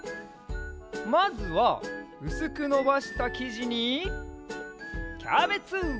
まずはうすくのばしたきじにキャベツ！